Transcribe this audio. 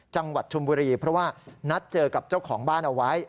จังหวัดชมบุรีเพราะว่านัดเจอกับเจ้าของบ้านเอาไว้